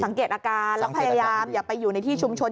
สังเกตอาการแล้วพยายามอย่าไปอยู่ในที่ชุมชน